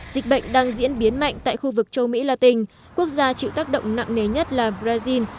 dịch bệnh đang diễn biến mạnh tại khu vực châu mỹ latin quốc gia chịu tác động nặng nề nhất là brazil